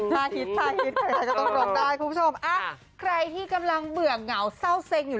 ให้ท้านร่วมได้ทุกคุณผู้ชมอ้าวใครที่กำลังเบื่อเหงาเศร้าเซ็งอยู่